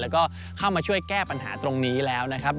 แล้วก็เข้ามาช่วยแก้ปัญหาตรงนี้แล้วนะครับ